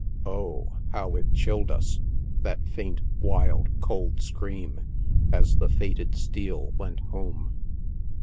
O ! how it chilled us, that faint, wild, cold scream, as the fated steel went home!